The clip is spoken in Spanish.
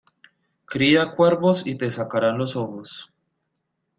Cría cuervos y te sacaran los ojos.